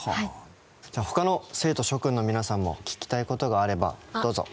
じゃあ他の生徒諸クンの皆さんも聞きたい事があればどうぞ。